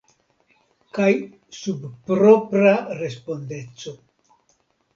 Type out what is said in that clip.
Kaj sub propra respondeco.